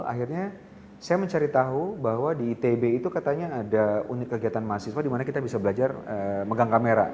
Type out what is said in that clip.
akhirnya saya mencari tahu bahwa di itb itu katanya ada unit kegiatan mahasiswa dimana kita bisa belajar megang kamera